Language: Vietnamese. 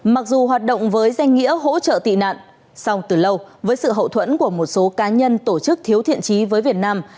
mặc dù hoạt động với danh nghĩa hỗ trợ tị nạn song từ lâu với sự hậu thuẫn của một số cá nhân tổ chức thiếu thiện trí với việt nam